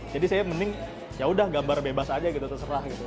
jadi saya mending yaudah gambar bebas aja gitu terserah gitu